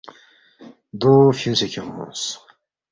دو فیُونگسے کھیونگس